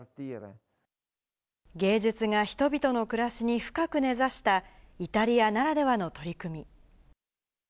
芸術が人々の暮らしに深く根ざしたイタリアならではの取り組み。